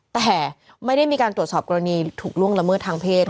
แต่ไม่ได้มีการตรวจสอบกรณีถูกล่วงละเมิดทางเพศ